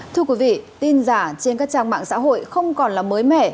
thưa quý vị tin giả trên các trang mạng xã hội không còn là mới mẻ